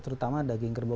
terutama daging kerbau